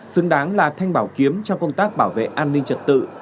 xứng đáng là thanh bảo kiếm trong công tác bảo vệ an ninh trật tự